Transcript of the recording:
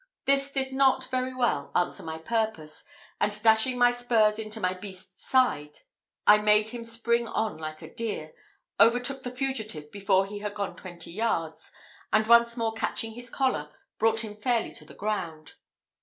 This did not very well answer my purpose, and dashing my spurs into my beast's sides, I made him spring on like a deer, overtook the fugitive before he had gone twenty yards, and once more catching his collar, brought him fairly to the ground.